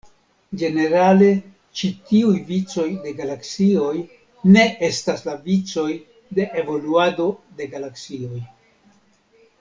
Ĝenerale ĉi tiuj vicoj de galaksioj "ne" estas la vicoj de evoluado de galaksioj.